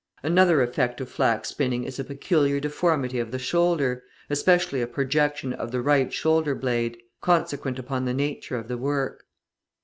Another effect of flax spinning is a peculiar deformity of the shoulder, especially a projection of the right shoulder blade, consequent upon the nature of the work.